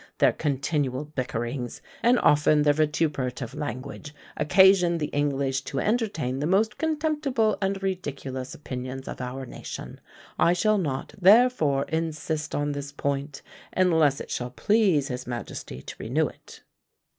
Their continual bickerings, and often their vituperative language, occasion the English to entertain the most contemptible and ridiculous opinions of our nation. I shall not, therefore, insist on this point, unless it shall please his majesty to renew it."